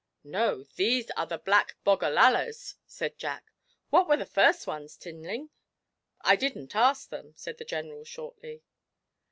'No, these are Black Bogallalas,' said Jack. 'What were the first ones, Tinling?' 'I didn't ask them,' said the General shortly.